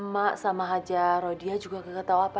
mak sama haji rodia juga gak tau apa apa